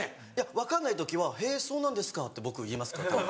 分かんない時は「へぇそうなんですか」って僕言います。